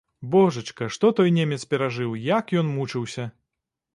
Божачка, што той немец перажыў, як ён мучыўся!